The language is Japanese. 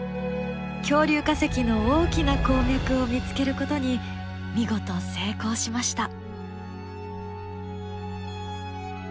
恐竜化石の大きな鉱脈を見つけることに見事成功しました！